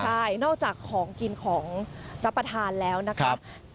ใช่นอกจากของกินของรับประทานแล้วนะครับ